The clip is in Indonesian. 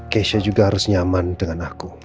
keisha juga harus nyaman dengan aku